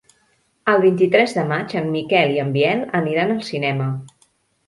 El vint-i-tres de maig en Miquel i en Biel aniran al cinema.